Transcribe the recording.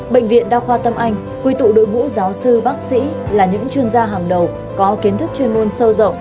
bệnh viện đa khoa tâm anh quy tụ đội ngũ giáo sư bác sĩ là những chuyên gia hàng đầu có kiến thức chuyên môn sâu rộng